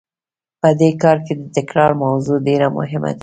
په دې کار کې د تکرار موضوع ډېره مهمه ده.